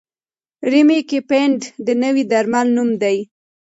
ریمیګیپینټ د نوي درمل نوم دی.